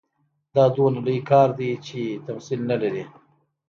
دا دومره لوی کار دی چې تمثیل نه لري.